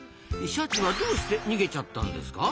シャチはどうして逃げちゃったんですか？